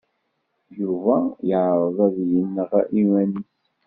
Yuba yeɛreḍ ad yenɣ iman-is.